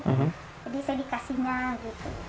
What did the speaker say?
jadi saya dikasihnya gitu